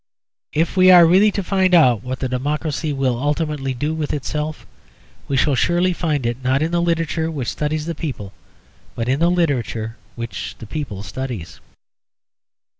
If we are really to find out what the democracy will ultimately do with itself, we shall surely find it, not in the literature which studies the people, but in the literature which the people studies.